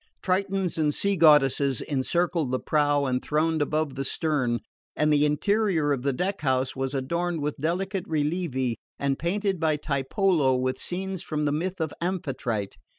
Tritons and sea goddesses encircled the prow and throned above the stern, and the interior of the deck house was adorned with delicate rilievi and painted by Tiepolo with scenes from the myth of Amphitrite.